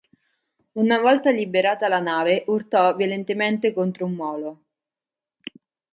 Una volta liberata, la nave urtò violentemente contro un molo.